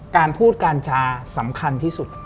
การพูดกัญชาสำคัญที่สุด